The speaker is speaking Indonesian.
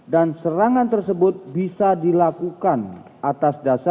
dan serangan tersebut bisa dilakukan atas terhadap korban